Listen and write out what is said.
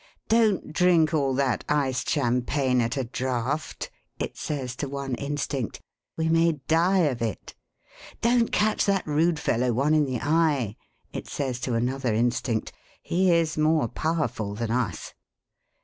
'Don't drink all that iced champagne at a draught,' it says to one instinct; 'we may die of it.' 'Don't catch that rude fellow one in the eye,' it says to another instinct; 'he is more powerful than us.'